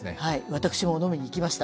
私も飲みにいきました。